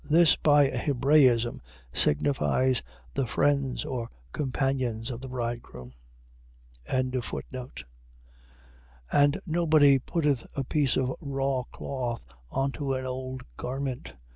. .This, by a Hebraism, signifies the friends or companions of the bridegroom. 9:16. And nobody putteth a piece of raw cloth unto an old garment.